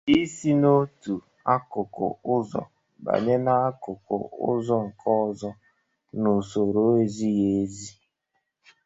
isi n'otu akụkụ ụzọ banye n'akụkụ ụzọ nke ọzọ n'usoro ezighị ezi